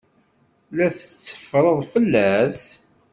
La tetteffreḍ fell-as?